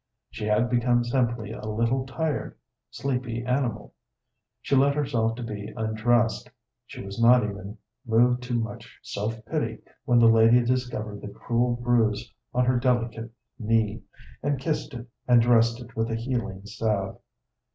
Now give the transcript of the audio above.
She had become simply a little, tired, sleepy animal. She let herself be undressed; she was not even moved to much self pity when the lady discovered the cruel bruise on her delicate knee, and kissed it, and dressed it with a healing salve.